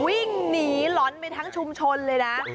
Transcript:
วิ่งหนีหลอนไปทั้งชุมชนเลยนะ